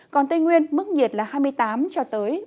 còn tây nguyên mức nhiệt là hai mươi tám ba mươi độ